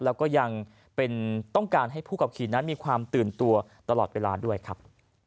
แล้วก็ยังต้องการให้ผู้ขับขี่นั้นมีความตื่นตัวตลอดเวลาด้วยครับ